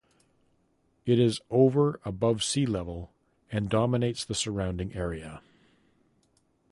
It is over above sea level and dominates the surrounding area.